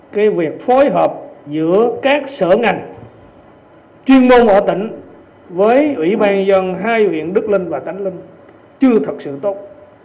cái việc phối hợp giữa các sở ngành chuyên môn ở tỉnh với ủy ban dân hai viện đức linh và cánh linh chưa thật sự tốt